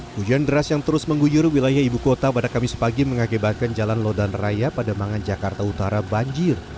hujan deras yang terus mengguyur wilayah ibu kota pada kamis pagi mengakibatkan jalan lodan raya pada mangan jakarta utara banjir